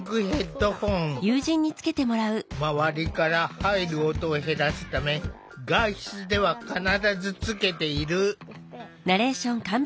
まわりから入る音を減らすため外出では必ずつけている。